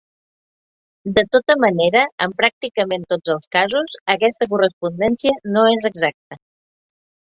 De tota manera, en pràcticament tots els casos, aquesta correspondència no és exacta.